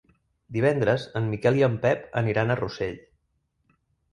Divendres en Miquel i en Pep aniran a Rossell.